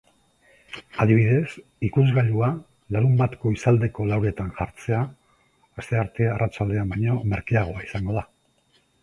Adibidez, ikuzgailua larunbat goizaldeko lauretan jartzea astearte arratsaldean baino merkeagoa izango da.